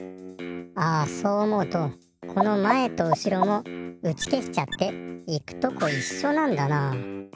あそう思うとこのまえとうしろもうちけしちゃって行くとこいっしょなんだなあ。